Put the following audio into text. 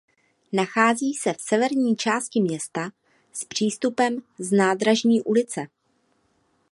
Nachází se v severní části města s přístupem z Nádražní ulice.